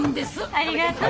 ありがとう。